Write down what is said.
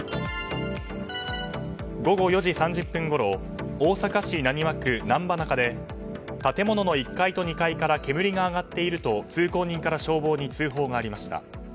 午後４時３０分ごろ大阪市浪速区難波中で建物の１階と２階から煙が上がっていると通行人から消防に通報がありました。